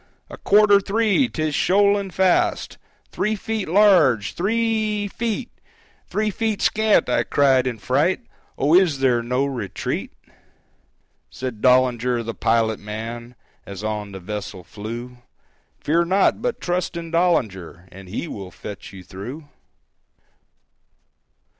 "A quarter three!—'tis shoaling fast! Three feet large!—t h r e e feet!—Three feet scant!" I cried in fright "Oh, is there no retreat?" Said Dollinger, the pilot man, As on the vessel flew, "Fear not, but trust in Dollinger, And he will fetch you through."